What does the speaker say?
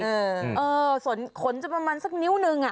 เออส่วนขนจะประมาณสักนิ้วหนึ่งอะ